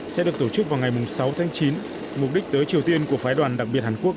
sẽ được tổ chức vào ngày sáu tháng chín mục đích tới triều tiên của phái đoàn đặc biệt hàn quốc